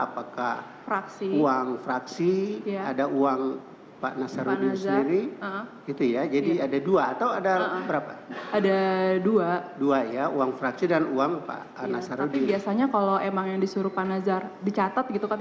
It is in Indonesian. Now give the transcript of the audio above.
praksi praksi lain apa membahas juga